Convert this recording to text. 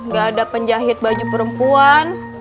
gak ada penjahit baju perempuan